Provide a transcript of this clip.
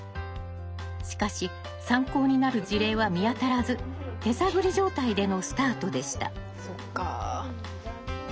しかし参考になる事例は見当たらず手探り状態でのスタートでした。